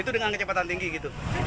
itu dengan kecepatan tinggi gitu